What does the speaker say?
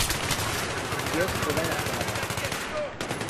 Las mullers feban las coladas.